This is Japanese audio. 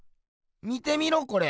見てみろこれ。